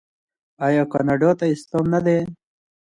آیا کاناډا ته سلام نه دی؟